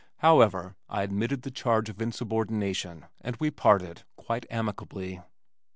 However, I admitted the charge of insubordination, and we parted quite amicably.